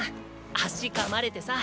足噛まれてさ。